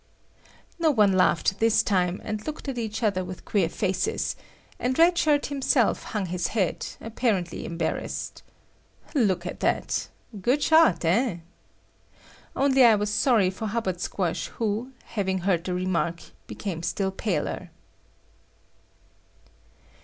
No one laughed this time and looked at each other with queer faces, and Red Shirt himself hung his head, apparently embarrassed. Look at that! A good shot, eh? Only I was sorry for Hubbard Squash who, having heard the remark, became still paler.